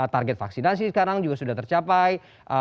target vaksinasi sekarang juga sudah tercapai